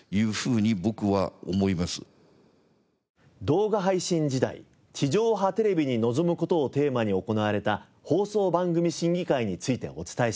「動画配信時代地上波テレビに望むこと」をテーマに行われた放送番組審議会についてお伝えしました。